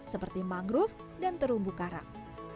seperti mangrove dan terumbu karang